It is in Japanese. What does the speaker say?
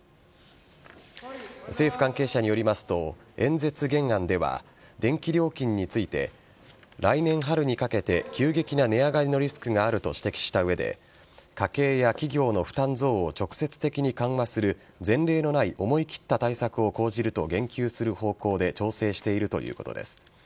政府関係者によりますと演説原案では、電気料金について来年春にかけて急激な値上がりのリスクがあると指摘した上で家計や企業の負担増を直接的に緩和する前例のない思い切った対策を講じると言及する方向で調整しているということです。